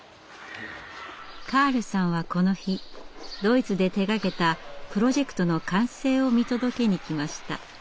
カールさんはこの日ドイツで手がけたプロジェクトの完成を見届けにきました。